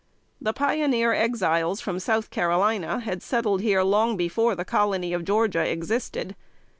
The Pioneer Exiles from South Carolina had settled here long before the Colony of Georgia existed.